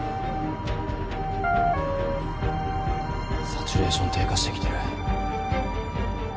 サチュレーション低下してきてる。